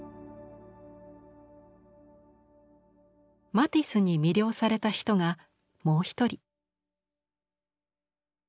マティスに魅了された人がもう一人。